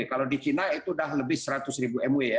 kalau di china itu sudah lebih seratus ribu mw ya